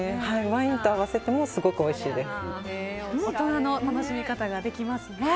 ワインと合わせてもすごくおいしいです。